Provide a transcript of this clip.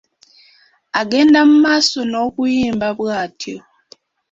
Agenda mu maaso n’okuyimba bwatyo.